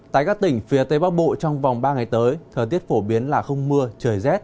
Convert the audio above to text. tại các tỉnh phía tây bắc bộ trong vòng ba ngày tới thời tiết phổ biến là không mưa trời rét